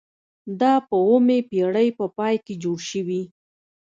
دا په اوومې پیړۍ په پای کې جوړ شوي.